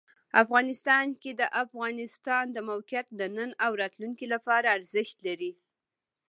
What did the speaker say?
افغانستان کې د افغانستان د موقعیت د نن او راتلونکي لپاره ارزښت لري.